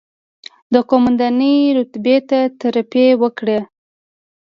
د قوماندانۍ رتبې ته ترفېع وکړه،